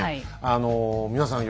あの皆さん